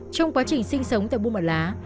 trong quá trình sinh sống tại buôn mà lá